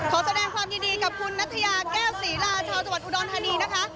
ขอแสดงความยินดีกับคุณนัทยาแก้วศรีราชาวจอุดรภัณฑ์ธรรมดีนะคะ